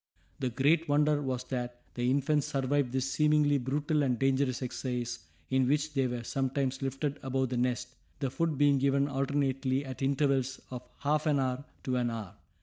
The great wonder was that the infants survived this seemingly brutal and dangerous exercise in which they were sometimes lifted above the nest, the food being given alternately at intervals of half an hour to an hour.